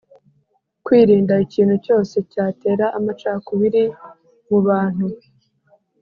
Kwirinda ikintu cyose cyatera amacakubiri mu bantu